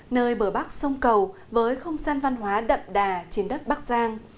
nơi bờ bắc sông cầu với không gian văn hóa đậm đà trên đất bắc giang